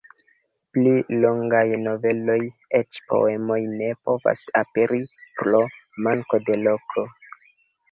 Pli longaj noveloj, eĉ poemoj ne povas aperi pro manko de loko.